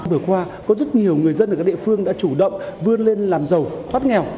vừa qua có rất nhiều người dân ở các địa phương đã chủ động vươn lên làm giàu thoát nghèo